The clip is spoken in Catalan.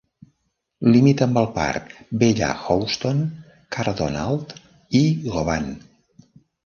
Limita amb el parc Bellahouston, Cardonald i Govan.